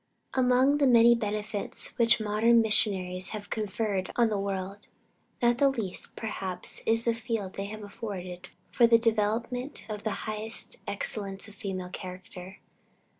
Among the many benefits which modern missions have conferred on the world, not the least, perhaps, is the field they have afforded for the development of the highest excellence of female character.